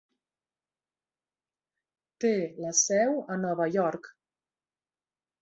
Té la seu a Nova York.